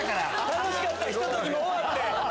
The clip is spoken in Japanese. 楽しかったひとときも終わって。